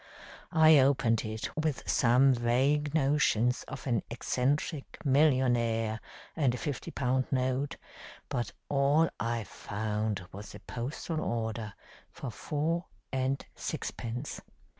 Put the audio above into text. I opened it with some vague notions of an eccentric millionaire and a fifty pound note, but all I found was a postal order for four and sixpence.